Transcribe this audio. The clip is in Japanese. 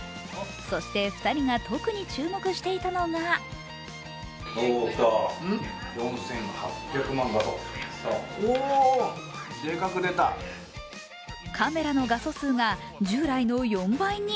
そして２人が特に注目していたのがカメラの画素数が従来の４倍に。